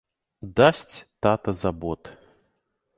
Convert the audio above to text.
Дасць тата за бот!